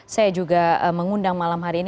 saya juga mengundang malam hari ini